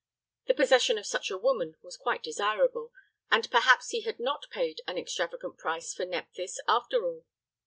The possession of such a woman was quite desirable, and perhaps he had not paid an extravagant price for Nephthys after all.